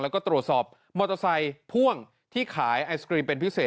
แล้วก็ตรวจสอบมอเตอร์ไซค์พ่วงที่ขายไอศกรีมเป็นพิเศษ